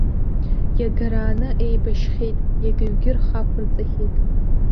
Иагарааны еибашьхьеит, иагаҩгьы рхы ақәырҵахьеит.